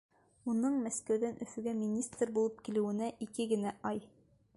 Уның Мәскәүҙән Өфөгә министр булып килеүенә ике генә ай!